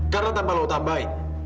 karena tanpa lu tambahin